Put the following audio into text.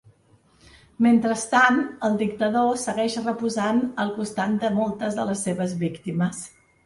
Mentrestant, el dictador segueix reposant al costat de moltes de les seves víctimes.